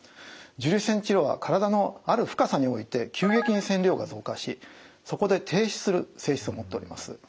重粒子線治療は体のある深さにおいて急激に線量が増加しそこで停止する性質を持っております。